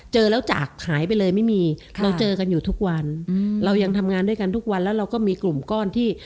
เจอแล้วจากหายไปเลยไม่มีเราเจอกันอยู่ทุกวันอืมเรายังทำงานด้วยกันทุกวันแล้วเราก็มีกลุ่มก้อนที่